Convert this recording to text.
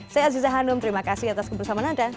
saya aziza hanum terima kasih atas kebersamaan anda